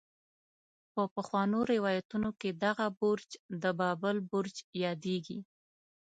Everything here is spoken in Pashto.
په پخوانو روايتونو کې دغه برج د بابل برج يادېږي.